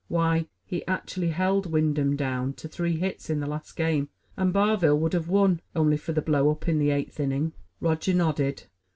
Why, he actually held Wyndham down to three hits in that last game, and Barville would have won only for the blow up in the eighth inning." Roger nodded.